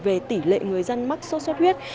về tỷ lệ người dân mắc số suốt huyết